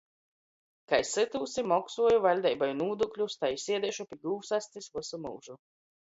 - Kai sytūs i moksuoju vaļdeibai nūdūkļus, tai i siedeišu pi gūvs astis vysu myužu.